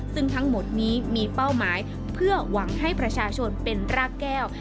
ซึ่งทั้งหมดนี้มีเป้าหมายเพื่อหวังให้ประชาชนเป็นรากแก้ว